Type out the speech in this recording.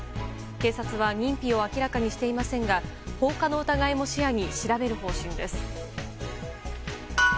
警察は認否を明らかにしていませんが放火の疑いも視野に調べる方針です。